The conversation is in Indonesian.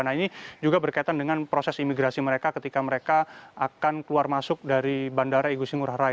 nah ini juga berkaitan dengan proses imigrasi mereka ketika mereka akan keluar masuk dari bandara igusti ngurah rai